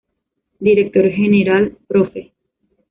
Director General: Prof.